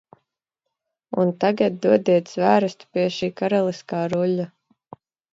Un tagad dodiet zvērestu pie šī karaliskā ruļļa!